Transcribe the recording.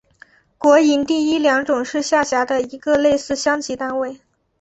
国营第一良种是下辖的一个类似乡级单位。